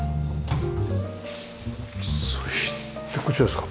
そしてこちらですか？